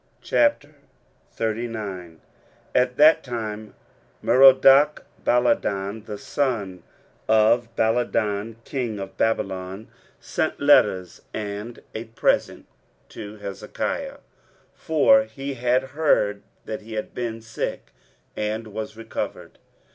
23:039:001 At that time Merodachbaladan, the son of Baladan, king of Babylon, sent letters and a present to Hezekiah: for he had heard that he had been sick, and was recovered.